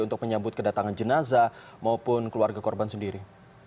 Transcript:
untuk menyambut kedatangan jenazah maupun keluarga korban sendiri